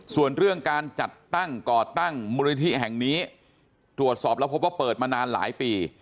ส่วนเรื่องการจัดตั้งก่อตั้งมูลนิธิแห่งนี้ตรวจสอบแล้วพบว่าเปิดมานานหลายปี